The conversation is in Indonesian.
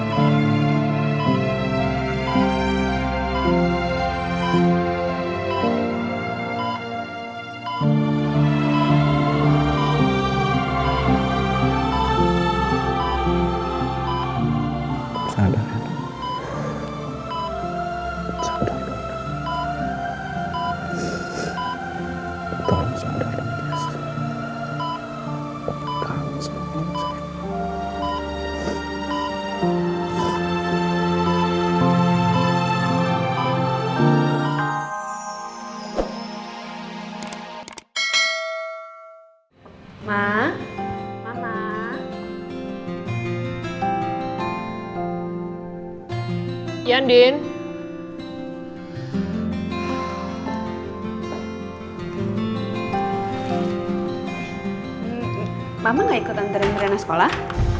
mama gak ikut ngantriin riana sekolah